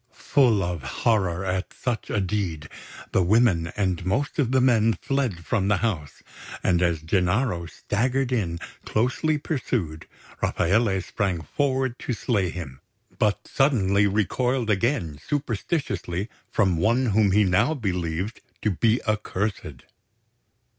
Full of horror at such a deed, the women and most of the men fled from the house; and as Gennaro staggered in, closely pursued, Rafaele sprang forward to slay him, but suddenly recoiled again superstitiously from one whom he now believed to be accursed.